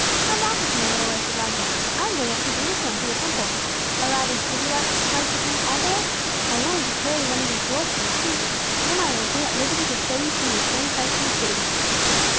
"Come walk with me a little way," said Lazarus. "I am going up to Jerusalem to the Temple. Or rather, would you not like to come all the way? I have only to carry these rolls to one of the priests, then I will be at liberty to show you some of the strange sights in the city."